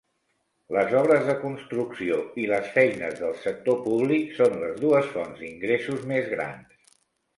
Les obres de construcció i les feines del sector públic són les dues fonts d'ingressos més grans.